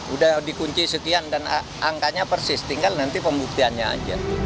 udah dikunci sekian dan angkanya persis tinggal nanti pembuktiannya aja